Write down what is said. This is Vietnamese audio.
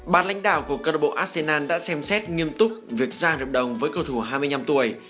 bà lãnh đạo của club arsenal đã xem xét nghiêm túc việc ra rợp đồng với cầu thủ hai mươi năm tuổi